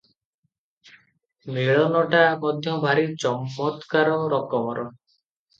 ମିଳନଟା ମଧ୍ୟ ଭାରି ଚମତ୍କାର ରକମର ।